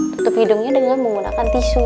tutup hidungnya dengan menggunakan tisu